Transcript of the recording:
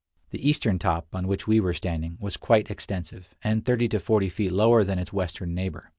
The eastern top, on which we were standing, was quite extensive, and 30 to 40 feet lower than its western neighbor.